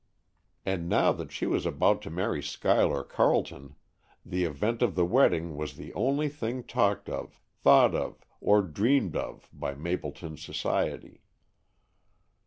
And now that she was about to marry Schuyler Carleton, the event of the wedding was the only thing talked of, thought of, or dreamed of by Mapleton society.